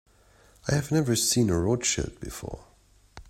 I have never seen a Rothschild before.